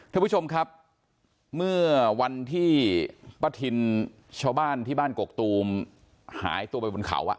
ท่านผู้ชมครับเมื่อวันที่ป้าทินชาวบ้านที่บ้านกกตูมหายตัวไปบนเขาอ่ะ